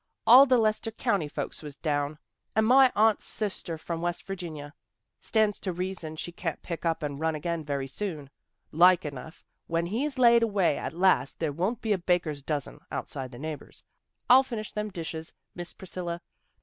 " All the Lester County folks was down, and my aunt's sister from West Virginia. Stands to reason she can't pick up and run again very soon. Like enough when he's laid away at last there won't be a baker's dozen, outside the neighbors. I'll finish them dishes, Miss Priscilla.